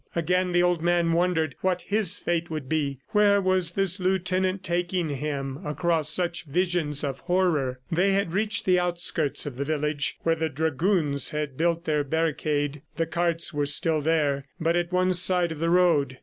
Again the old man wondered what his fate would be. Where was this lieutenant taking him across such visions of horror? ... They had reached the outskirts of the village, where the dragoons had built their barricade. The carts were still there, but at one side of the road.